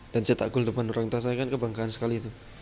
dan cetak gol depan orang tua saya kan kebanggaan sekali